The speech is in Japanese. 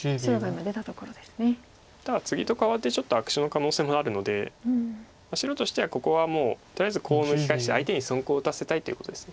ただツギと換わってちょっと悪手の可能性もあるので白としてはここはもうとりあえずコウを抜き返して相手に損コウを打たせたいということです。